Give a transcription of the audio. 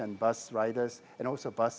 dan juga para penerbangan truk